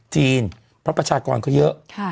เพราะประชากรเขาเยอะ